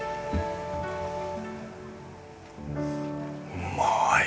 うまい。